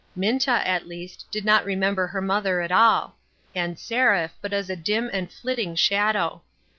Minta, at least, did not remember her mother at all ; and Seraph, but as a dim and flitting shadow.